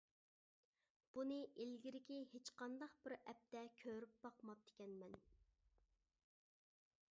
بۇنى ئىلگىرىكى ھېچقانداق بىر ئەپتە كۆرۈپ باقماپتىكەنمەن.